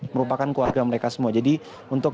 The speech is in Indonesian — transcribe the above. merupakan keluarga mereka semua jadi untuk